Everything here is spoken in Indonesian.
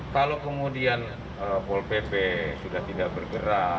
kalau kemudian pol pp sudah tidak bergerak